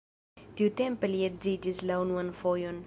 Tiutempe li edziĝis la unuan fojon.